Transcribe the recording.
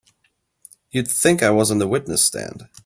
You'd think I was on the witness stand!